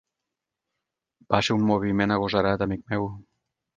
Va ser un moviment agosarat, amic meu.